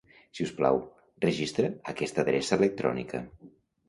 Si us plau, registra aquesta adreça electrònica.